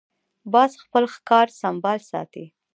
باز خپل ښکار سمبال ساتي